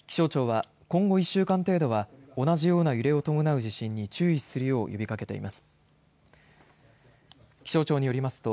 気象庁は今後１週間程度は同じような揺れを伴う地震に注意するよう呼びかけてます。